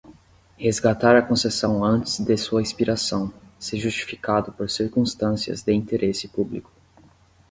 Resgatar a concessão antes de sua expiração, se justificado por circunstâncias de interesse público.